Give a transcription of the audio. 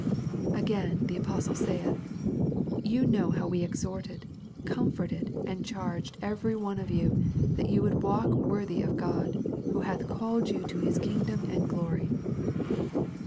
Again, the apostle saith. You know hoxv we exhort ed, comforted, and charged every one of you, that you would walk icorthy of God, who hath called you to his kingdom and glory.